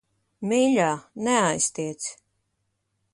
Mīļā, neaiztiec.